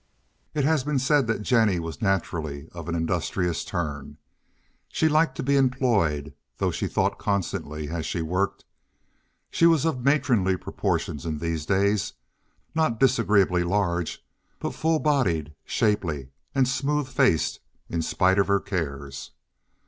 It has been said that Jennie was naturally of an industrious turn. She liked to be employed, though she thought constantly as she worked. She was of matronly proportions in these days—not disagreeably large, but full bodied, shapely, and smooth faced in spite of her cares.